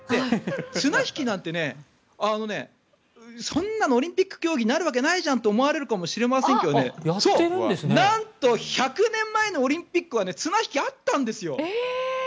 綱引きなんてそんなのオリンピック競技になるわけないじゃんって思われるかもしれませんけどそう、なんと１００年前のオリンピックは綱引きがあったんですよ。